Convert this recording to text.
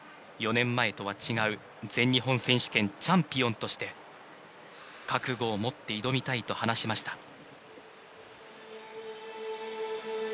４年前とは違う全日本選手権チャンピオンとして覚悟を持って挑みたいと話しました。